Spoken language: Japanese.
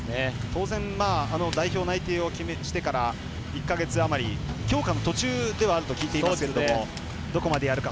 当然、代表内定をしてから１か月余り、強化の途中ではあると聞いていますがどこまでやるか。